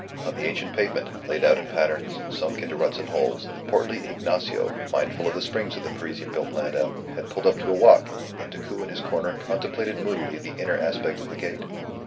On the ancient pavement, laid out in patterns, sunk into ruts and holes, the portly Ignacio, mindful of the springs of the Parisian built landau, had pulled up to a walk, and Decoud in his corner contemplated moodily the inner aspect of the gate.